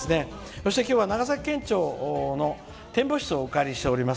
そして今日は長崎県庁の展望室をお借りしております。